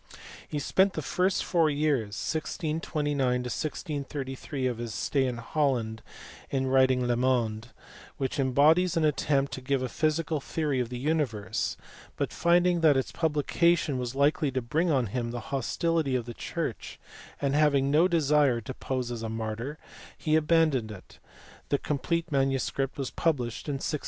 He spent the first four years, 1629 to 1633, of his stay in Holland in writing Le Monde which embodies an attempt to give a physical theory of the universe; but finding that its publication was likely to bring on him the hostility of the church, and having no desire to pose as a martyr, he abandoned it : the incomplete manu script was published in 1664.